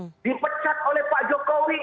yang dipecat oleh pak jokowi